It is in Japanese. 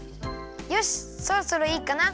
よしそろそろいいかな。